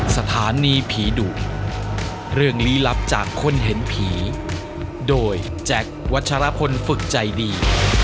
สถานีผีดุเรื่องลี้ลับจากคนเห็นผีโดยแจ็ควัชรพลฝึกใจดี